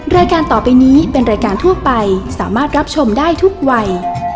รายการต่อไปนี้เป็นรายการทั่วไปสามารถรับชมได้ทุกวัย